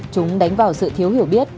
chúng đánh vào sự thiếu hiểu biết